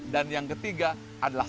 dan yang ketiga adalah